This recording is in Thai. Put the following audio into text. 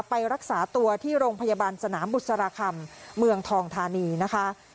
ไปรักษาตัวที่โรงพยาบาลสนามบุษราคำเมืองทองธานีนะคะ